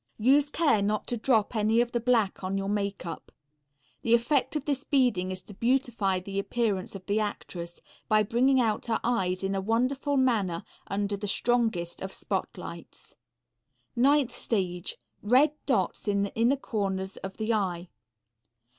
Use care not to drop any of the black on your makeup. The effect of this beading is to beautify the appearance of the actress by bringing out her eyes in a wonderful manner under the strongest of spot lights. Ninth stage. Red dots in the inner corners of the eye.